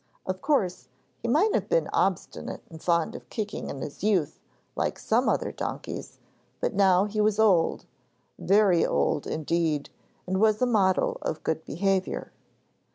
Of course, he might have been obstinate and fond of kicking in his youth, like some other donkeys; but now he was old, very old indeed, and was a model of good behaviour.